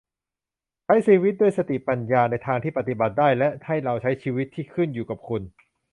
ใช้ชีวิตด้วยสติปัญญาในทางที่ปฏิบัติได้ และให้เราใช้ชีวิตที่ขึ้นอยู่กับคุณ